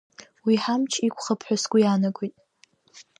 Уи ҳамч иқәхап ҳәа сгәы иаанагоит.